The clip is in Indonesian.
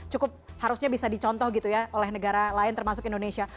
cukup harusnya bisa dicontoh gitu ya oleh negara lain termasuk indonesia